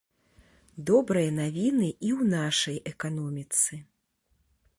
Добрыя навіны і ў нашай эканоміцы.